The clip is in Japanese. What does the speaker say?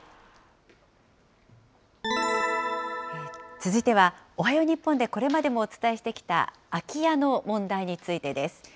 続いては、おはよう日本でこれまでもお伝えしてきた空き家の問題についてです。